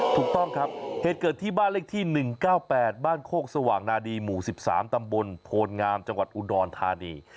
ถูกต้องครับเหตุเกิดที่บ้านเลขที่๑๙๘บ้านโคกสว่างนาดีหมู่๑๓ตำบลโพนงามจังหวัดอุดรธานี